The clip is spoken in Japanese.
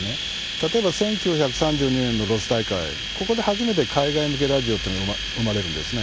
例えば、１９３２年のロス大会、ここで初めて海外向けラジオっていうのが生まれるんですね。